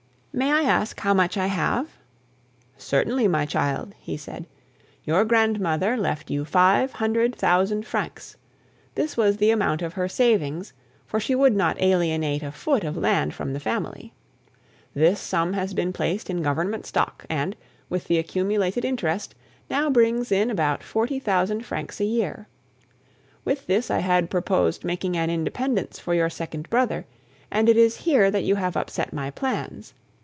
"May I ask how much I have?" "Certainly, my child," he said. "Your grandmother left you five hundred thousand francs; this was the amount of her savings, for she would not alienate a foot of land from the family. This sum has been placed in Government stock, and, with the accumulated interest, now brings in about forty thousand francs a year. With this I had purposed making an independence for your second brother, and it is here that you have upset my plans.